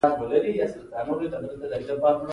په دوه زره یو کال کې د دفاع پوځ دېرش زره جنګیالي لرل.